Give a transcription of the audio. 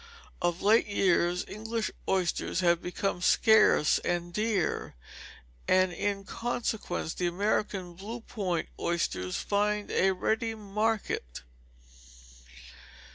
Of late years English oysters have become scarce and dear; and in consequence the American Blue Point oysters find a ready market.